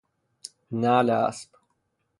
نعل اسب